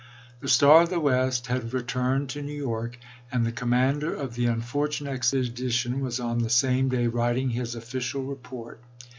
The Star of the West lsei. had returned to New York ; and the commander of the unfortunate expedition was on the same day writing his official report.